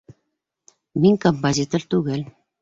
Мин композитор түгел.